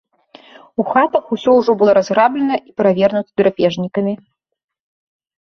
У хатах усё ўжо было разграблена і перавернута драпежнікамі.